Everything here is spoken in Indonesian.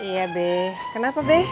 iya be kenapa be